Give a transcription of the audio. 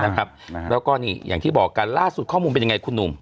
แล้วก็นี่อย่างที่บอกกันล่าสุดข้อมูลเป็นยังไงคุณหนุ่ม